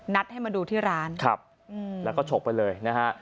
ให้มาดูที่ร้านครับแล้วก็ฉกไปเลยนะฮะ